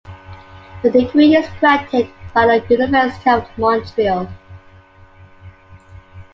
The degree is granted by the University of Montreal.